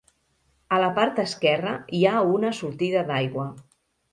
A la part esquerra, hi ha una sortida d'aigua.